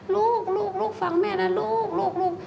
ลูกฟังแม่นะลูก